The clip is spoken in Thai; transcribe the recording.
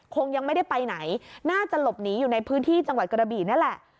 คงยังไม่ได้ไปไหนน่าจะหลบหนีอยู่ในพื้นที่จังหวัดกระบี่นั่นแหละ